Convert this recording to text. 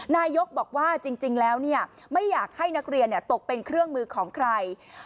นายกบอกว่าจริงแล้วไม่อยากให้นักเรียนตกเป็นเครื่องมือของใคร